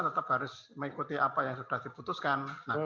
tetap harus mengikuti apa yang sudah diputuskan